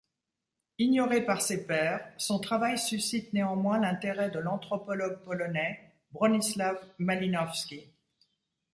Ignoré par ses pairs, son travail suscite néanmoins l'intérêt de l'anthropologue polonais Bronislaw Malinowski.